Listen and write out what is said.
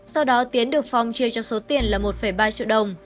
sau đó tiến được phong chia cho số tiền là một ba triệu đồng